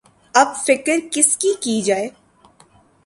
اب فکر کس کی‘ کی جائے؟